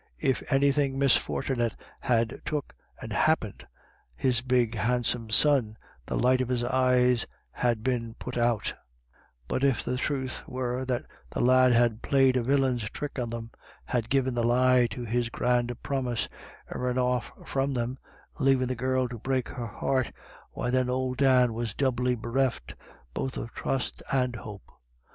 If" anythin' misfortnit had took and hap pint " his big handsome son, the light of his eyes had been put out ; but if the truth were that the lad had played a villain's trick on them, had given the lie to his hand promise, and run off from them, leaving the girl to break her heart, why then old Dan was doubly bereft, both of trust and hope.